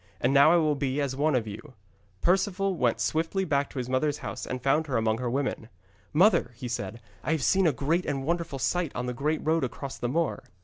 And now I will be as one of you.' Perceval went swiftly back to his mother's house and found her among her women. 'Mother,' he said, 'I have seen a great and wonderful sight on the great road across the moor.'